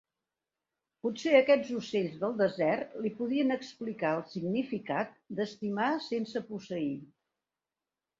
Potser aquests ocells del desert li podien explicar el significat d'estimar sense posseir.